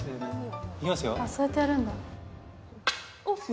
そうやってやるんだ。